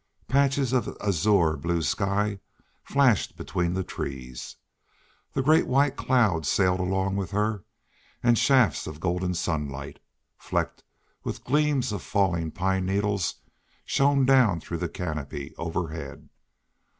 Patches of azure blue sky flashed between the trees. The great white clouds sailed along with her, and shafts of golden sunlight, flecked with gleams of falling pine needles, shone down through the canopy overhead.